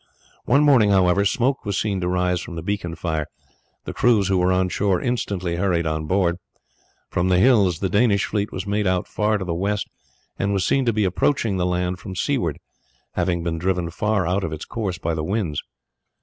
One morning, however, smoke was seen to rise from the beacon fire. The crews who were on shore instantly hurried on board. From the hills the Danish fleet was made out far to the west and was seen to be approaching the land from seaward, having been driven far out of its course by the winds.